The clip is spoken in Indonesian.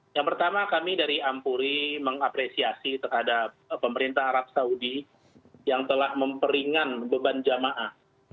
yang pertama kami dari ampuri mengapresiasi terhadap pemerintah arab saudi yang telah memperingan beban jamaah